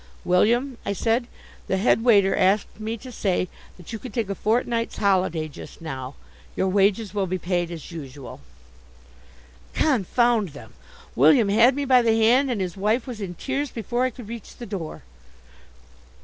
"William," I said, "the head waiter asked me to say that you could take a fortnight's holiday just now. Your wages will be paid as usual." Confound them! William had me by the hand, and his wife was in tears before I could reach the door.